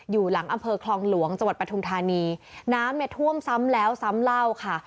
อยู่หลังอำเภอคลองหลวงจังหวัดปทุมธานีน้ำเนี่ยท่วมซ้ำแล้วซ้ำเล่าค่ะ